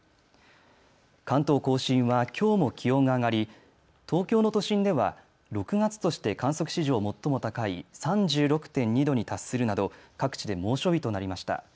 関東甲信はきょうも気温が上がり東京の都心では６月として観測史上、最も高い３６．２度に達するなど各地で猛暑日となりました。